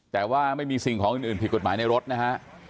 แต่ว่าไม่มีสิ่งของอื่นผิดกฎหมายในรถนะฮะ